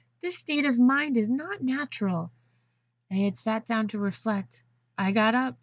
This state of mind is not natural.' I had sat down to reflect. I got up.